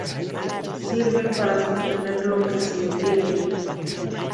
Sirven para sostener lo que se ingiere.